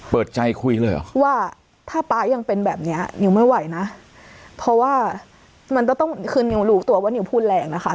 เปิดใจคุยเลยเหรอว่าถ้าป๊ายังเป็นแบบเนี้ยนิวไม่ไหวนะเพราะว่ามันต้องคือนิวรู้ตัวว่านิวพูดแรงนะคะ